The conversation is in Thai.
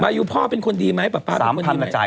มายุพ่อเป็นคนดีไหมป่าทุกคนยินไหม